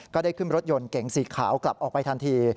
ก็ได้ขึ้นรถยนต์เก่งสีขาวกลับออกไปทันที